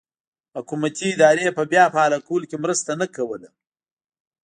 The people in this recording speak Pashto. حکومتي ادارو په بیا فعالولو کې مرسته نه کوله.